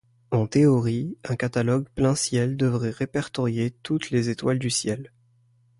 En théorie, un catalogue plein ciel devrait répertorier toutes les étoiles du ciel.